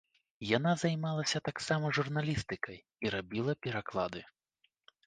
Яна займалася таксама журналістыкай і рабіла пераклады.